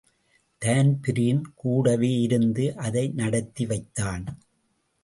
Dan Breen கூடவே இருந்து அதை நடத்திவைத்தான்.